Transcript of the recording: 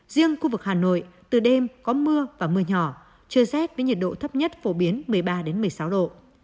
riêng khu vực hà nội từ đêm có mưa và mưa nhỏ trời rét với nhiệt độ thấp nhất phổ biến một mươi ba một mươi sáu độ